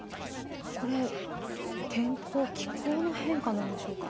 これ天候気候の変化なんでしょうか？